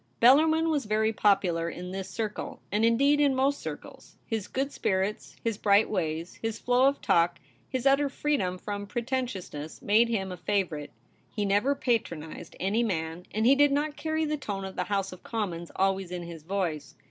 Bellarmin was very popular in this circle, and, indeed, in most circles. His good spirits, his bright ways, his flow of talk, his utter freedom from pretentiousness, made him a favourite. He never patronized any man, and he did not carry the tone of the House of Commons always in his voice.